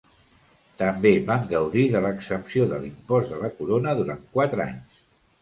També van gaudir de l'exempció de l'impost de la corona durant quatre anys.